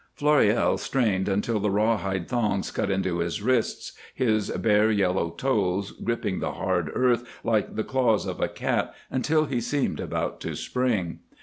Floréal strained until the rawhide thongs cut into his wrists, his bare, yellow toes gripping the hard earth like the claws of a cat until he seemed about to spring.